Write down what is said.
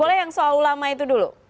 boleh yang soal ulama itu dulu